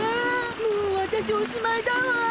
もうわたしおしまいだわ！